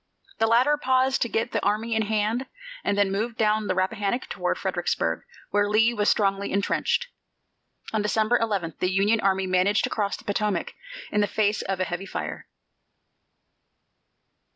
The latter paused to get the army in hand and then moved down the Rappahannock toward Fredericksburg, where Lee was strongly intrenched. On December 11 the Union army managed to cross the Potomac in the face of a heavy fire.